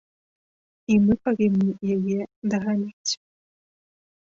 І мы павінны яе даганяць.